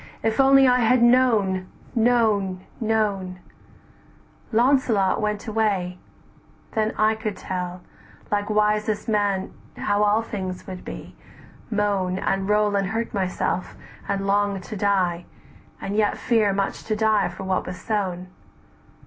if only I had known, known, known;' Launcelot went away, then I could tell, "Like wisest man how all things would be, moan, And roll and hurt myself, and long to die, And yet fear much to die for what was sown.